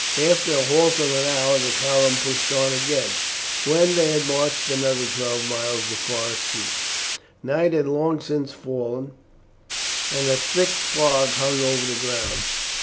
After a halt of an hour the column pushed on again. When they had marched another twelve miles the forest ceased. Night had long since fallen, and a thick fog hung over the ground.